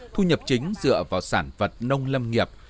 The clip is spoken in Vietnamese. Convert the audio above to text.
thu nhập chính dựa vào sản vật nông lâm nghiệp